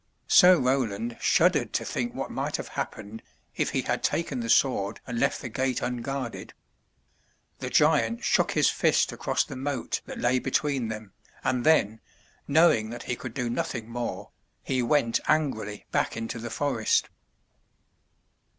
Sir Roland shuddered to think what might have happened if he had taken the sword and left the gate unguarded. The giant shook his fist across the moat that lay between them, and then, knowing that he could do nothing more, he went angrily back into the forest.